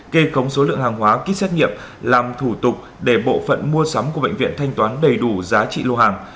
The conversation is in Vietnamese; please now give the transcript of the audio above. kê khống số lượng hàng hóa kýt xét nghiệm làm thủ tục để bộ phận mua sắm của bệnh viện thanh toán đầy đủ giá trị lô hàng